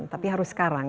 tapi harus sekarang